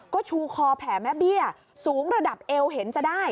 ก็ชูคอแผ่แม่เบี้ยสูงระดับเอวเห็นจะได้